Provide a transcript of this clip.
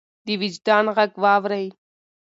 د وجدان غږ واورئ.